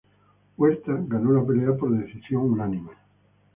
Huerta ganó la pelea por decisión unánime.